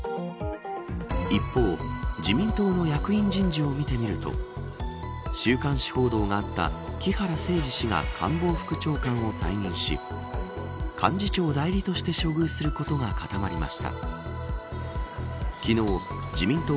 一方、自民党の役員人事を見てみると週刊誌報道があった木原誠二氏が官房副長官を退任し幹事長代理として処遇することが固まりました。